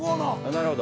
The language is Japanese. なるほど。